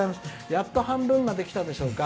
やっと半分まできたでしょうか。